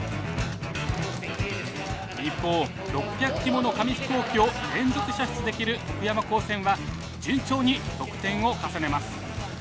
一方６００機もの紙飛行機を連続射出できる徳山高専は順調に得点を重ねます。